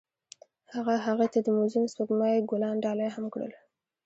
هغه هغې ته د موزون سپوږمۍ ګلان ډالۍ هم کړل.